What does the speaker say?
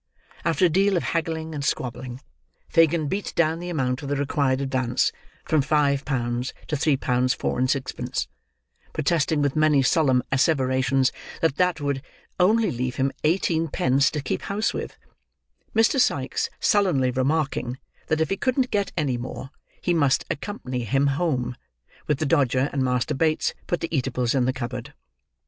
After a great deal of haggling and squabbling, Fagin beat down the amount of the required advance from five pounds to three pounds four and sixpence: protesting with many solemn asseverations that that would only leave him eighteen pence to keep house with; Mr. Sikes sullenly remarking that if he couldn't get any more he must accompany him home; with the Dodger and Master Bates put the eatables in the cupboard.